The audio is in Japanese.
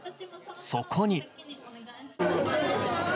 そこに。